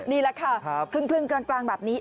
นี่แหละค่ะครึ่งกลางแบบนี้